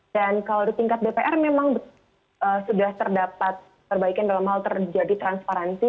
dan kalau di tingkat dpr memang sudah terdapat perbaikan dalam hal terjadi transparansi